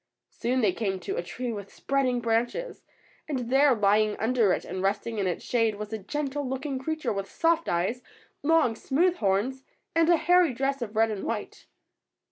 Soon they came to a tree with spreading branches, and there, lying under it and resting in its shade, was a gentle looking creature with soft eyes, long, smooth horns, and a hairy dress of red and white.